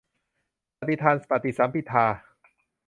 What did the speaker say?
ปฏิภาณปฏิสัมภิทา